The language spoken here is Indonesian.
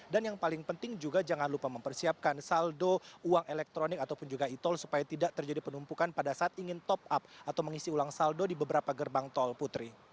dan juga jangan lupa mempersiapkan saldo uang elektronik ataupun juga e tol supaya tidak terjadi penumpukan pada saat ingin top up atau mengisi ulang saldo di beberapa gerbang tol putri